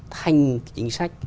thành chính sách